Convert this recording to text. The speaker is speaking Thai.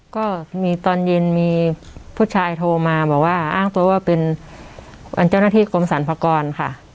ก็มีตอนหญิงมีผู้ชายโทรมาอ้างตัวว่าเป็นเจ้าหน้าที่กรมศรรภกรค่ะ